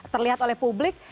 terlihat oleh publik